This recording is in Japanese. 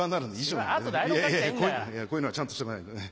こういうのはちゃんとしとかないとね。